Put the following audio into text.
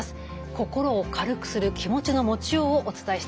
心を軽くする気持ちの持ちようをお伝えしていこうと思います。